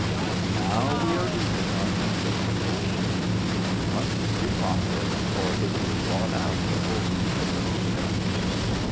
"Now we are losing our sense of proportion. We must sleep on this, or it will blot out the whole universe for us."